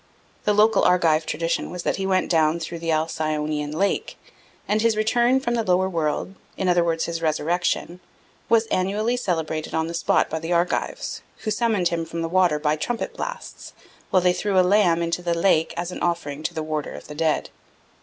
The local Argive tradition was that he went down through the Alcyonian lake; and his return from the lower world, in other words his resurrection, was annually celebrated on the spot by the Argives, who summoned him from the water by trumpet blasts, while they threw a lamb into the lake as an offering to the warder of the dead.